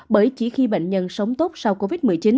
bởi chỉ khi bệnh nhân sống tốt sau covid một mươi chín